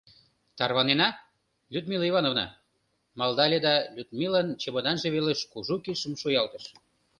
— Тарванена, Людмила Ивановна? — малдале да Людмилан чемоданже велыш кужу кидшым шуялтыш.